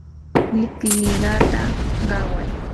liqliqata qaway